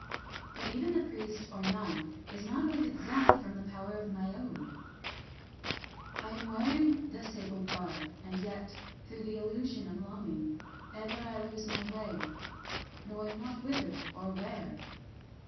But even the priest or nun is not always ex empt from tlie power of mayoi :— I am wearing the sable garb, — and yet, through illusion of longing, Ever I lose my way, — knowing not whither or where